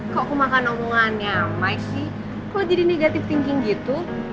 kok kemakan omongannya maik sih kalo jadi negative thinking gitu